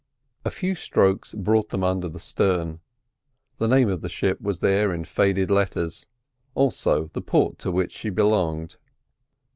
A few strokes brought them under the stern. The name of the ship was there in faded letters, also the port to which she belonged.